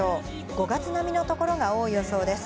５月並みの所が多い予想です。